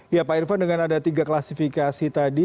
ya pak irvan dengan ada tiga klasifikasi tadi